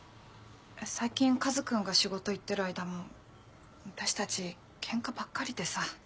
最近カズ君が仕事行ってる間も私たちケンカばっかりでさ。